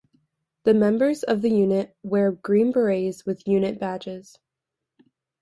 The members of the unit wear green berets with unit badges.